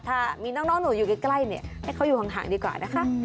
ถ้ามีน้องหนูอยู่ใกล้เนี่ยให้เขาอยู่ห่างดีกว่านะคะ